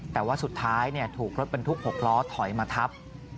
แต่ว่าสุดท้ายถูกรถบรรทุก๖ล้อถอยมาทับ